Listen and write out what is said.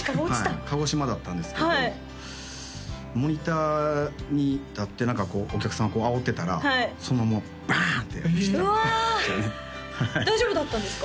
はい鹿児島だったんですけどモニターに立ってお客さんをあおってたらそのままバーンって落ちてうわ大丈夫だったんですか？